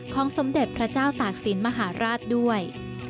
สมเด็จพระเจ้าตากศิลป์มหาราชด้วย